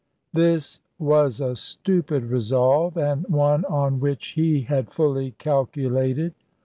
This was a stupid resolve, and one on which he had fully calculated.